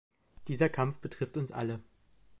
Dieser Kampf betrifft uns alle.